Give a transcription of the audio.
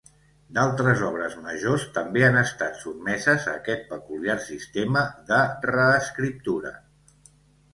D'altres obres majors també han estat sotmeses a aquest peculiar sistema de reescriptura.